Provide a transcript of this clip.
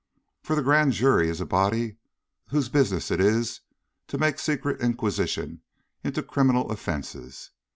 For the Grand Jury is a body whose business it is to make secret inquisition into criminal offences.